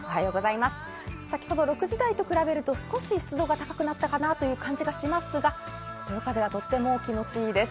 先ほど６時台と比べると少し湿度が高くなったかなという感じがしますが、そよ風がとっても気持ちいいです。